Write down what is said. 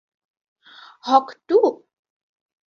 Haque - two?